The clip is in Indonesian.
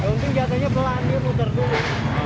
untung jatuhnya pelan dia muter dulu